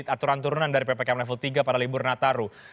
aturan turunan dari ppkm level tiga pada libur nataru